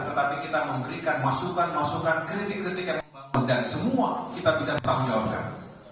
tetapi kita memberikan masukan masukan kritik kritik yang semua kita bisa bertanggung jawabkan